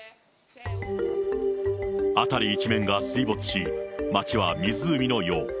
辺り一面が水没し、町は湖のよう。